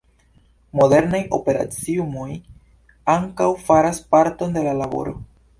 Modernaj operaciumoj ankaŭ faras parton de la laboro.